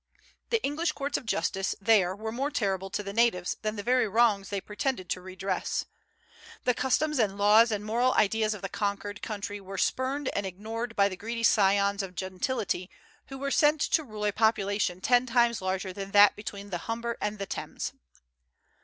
The English courts of justice there were more terrible to the natives than the very wrongs they pretended to redress. The customs and laws and moral ideas of the conquered country were spurned and ignored by the greedy scions of gentility who were sent to rule a population ten times larger than that between the Humber and the Thames.